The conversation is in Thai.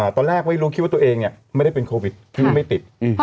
ตอนแรกว่าไม่ได้เป็นโควิดไม่ติด